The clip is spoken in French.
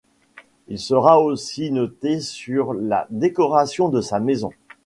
Il sera aussi noté sur la décoration de sa maison.